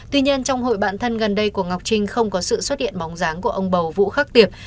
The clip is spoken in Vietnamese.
tuy nhiên trong hội bạn thân gần đây của ngọc trinh không có sự xuất hiện bóng dáng của ông bầu vũ khắc tiệp